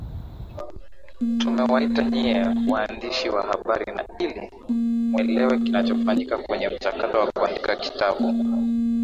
Tumewaita nyie waandishi wa habari na ili muelewe kinachofanyika kwenye mchakato wa kuandika kitabu